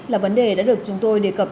là vấn đề đã được chúng tôi đề cập